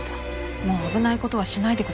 もう危ない事はしないでください。